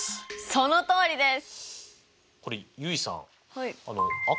そのとおりです。